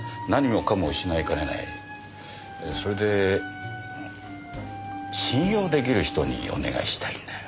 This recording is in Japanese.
それで信用出来る人にお願いしたいんだよ。